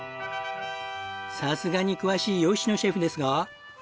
さすがに詳しい野シェフですが。